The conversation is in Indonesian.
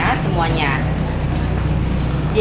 walaupun gak ada yang bisa melindungi dia